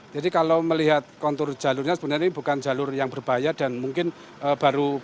jadi kalau melihat kontur jalurnya sebenarnya ini bukan jalur yang berbahaya dan mungkin baru pertama kali